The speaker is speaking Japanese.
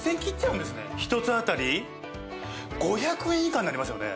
１つ当たり５００円以下になりますよね？